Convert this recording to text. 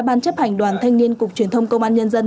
ban chấp hành đoàn thanh niên cục truyền thông công an nhân dân